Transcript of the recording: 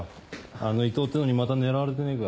あの伊藤ってのにまた狙われてねえか？